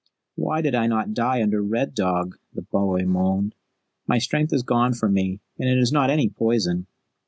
"Why did I not die under Red Dog?" the boy moaned. "My strength is gone from me, and it is not any poison.